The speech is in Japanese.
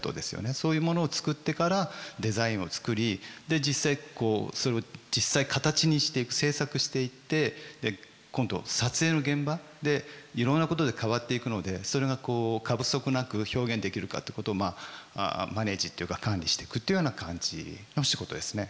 そういうものを作ってからデザインを作りで実際形にしていく制作していって今度撮影の現場でいろんなことで変わっていくのでそれが過不足なく表現できるかってことをまあマネージっていうか管理していくっていうような感じの仕事ですね。